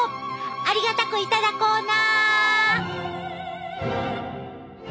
ありがたく頂こうな！